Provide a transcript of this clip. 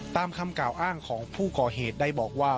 ตามคำกล่าวอ้างของผู้ก่อเหตุได้บอกว่า